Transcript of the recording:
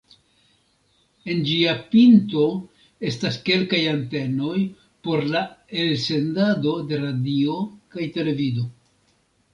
En ĝia pinto estas kelkaj antenoj por la elsendado de radio kaj televido.